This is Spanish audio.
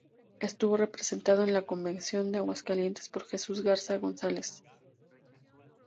Estuvo representado en la Convención de Aguascalientes por Jesús Garza González.